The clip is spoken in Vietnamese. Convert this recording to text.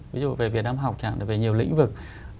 ví dụ về việt nam học chẳng hạn là về nhiều lĩnh vực